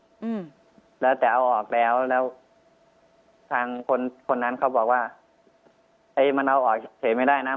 อืมแล้วแต่เอาออกแล้วแล้วทางคนคนนั้นเขาบอกว่าไอ้มันเอาออกเฉยไม่ได้นะ